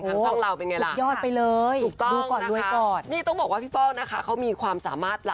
ทั้งช่องเราเป็นไงล่ะ